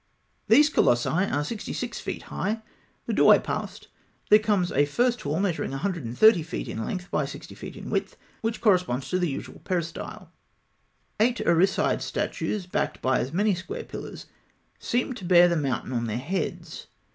These colossi are sixty six feet high. The doorway passed, there comes a first hall measuring 130 feet in length by 60 feet in width, which corresponds to the usual peristyle. Eight Osiride statues backed by as many square pillars, seem to bear the mountain on their heads.